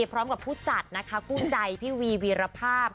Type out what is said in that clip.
พร้อมพูดจัดกู้ใจวีวีรภาพ